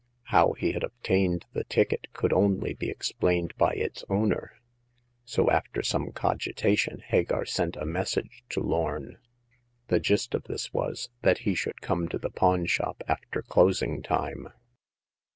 How he had obtained the ticket could only be explained by its owner ; so^ alt^i ^oia^ ^o^\aiv.v;^\N.^ 42 Hagar of the Pawn Shop. Hagar sent a message to Lorn. The gist of this was, that he should come to the pawn shop after closing time.